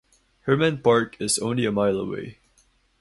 Hermann Park is only a mile away.